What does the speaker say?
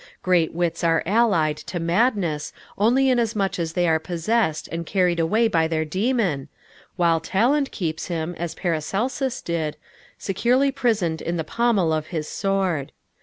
Great wits are allied to madness only inasmuch as they are possessed and carried away by their demon, while talent keeps him, as Paracelsus did, securely prisoned in the pommel of his sword.